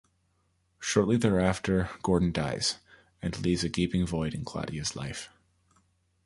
Shortly thereafter, Gordon dies, and leaves a gaping void in Claudia's life.